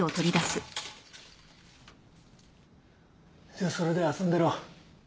じゃあそれで遊んでろ。